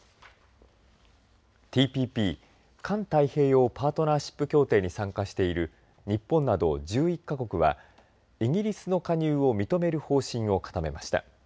ＴＰＰ環太平洋パートナーシップ協定に参加している日本など１１か国はイギリスの加入を認める方針を固めました。